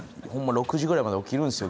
６時ぐらいまで起きるんですよ